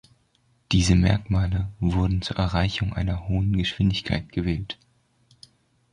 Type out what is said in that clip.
Diese Merkmale wurden zur Erreichung einer hohen Geschwindigkeit gewählt.